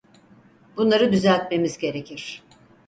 Bunları düzeltmemiz gerekir.